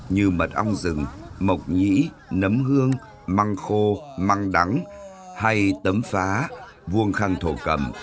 như mật ong rừng mộc nhĩ nấm hương măng khô măng đắng hay tấm phá vuông khăn thổ cầm